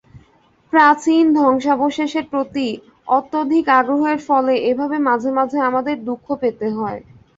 প্রাচীন ধ্বংসাবশেষের প্রতি অত্যধিক আগ্রহের ফলে এভাবে মাঝে মাঝে আমাদের দুঃখ পেতে হয়।